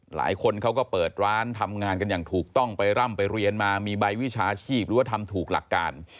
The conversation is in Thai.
หลายคนเขาก็เปิดร้านทำงานกันอย่างถูกต้องไปร่ำไปเรียนมามีใบวิชาชีพหรือว่าทำถูกหลักการ